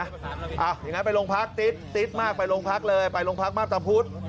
อย่างนั้นไปลงพักติ๊ดติ๊ดมากไปลงพักเลยไปลงพักมากจำพูด